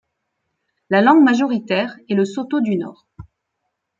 La langue majoritaire est le sotho du nord.